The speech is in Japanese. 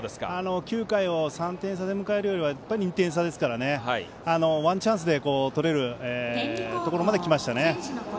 ９回を３点差で迎えるよりは２点差ですからワンチャンスで取れるところまできましたね。